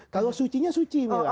kalau sucinya suci